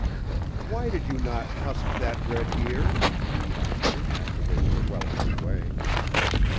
"Why did you not husk that red ear?" he asked her, after they were well on their way.